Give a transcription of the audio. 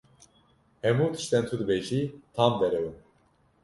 Hemû tiştên tu dibêjî tam derew in!